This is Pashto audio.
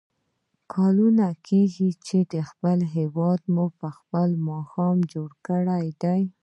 کلونه کېږي چې په خپل هېواد مو په خپله ماښام جوړ کړی دی.